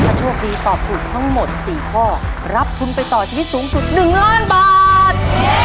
ถ้าโชคดีตอบถูกทั้งหมด๔ข้อรับทุนไปต่อชีวิตสูงสุด๑ล้านบาท